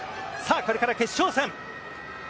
これから決勝戦。